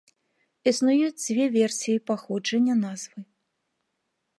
Існуюць дзве версіі паходжання назвы.